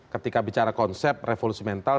ketika bicara konsep revolusi mental